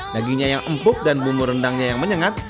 dagingnya yang empuk dan bumbu rendangnya yang menyengat